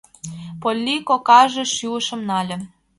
Полли кокаже шӱлышым нале.